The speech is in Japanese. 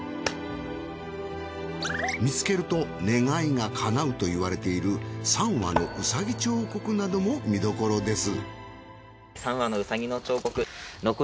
見つけると願いが叶うと言われている三羽のうさぎ彫刻なども見どころです。